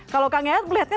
kalau kang yaya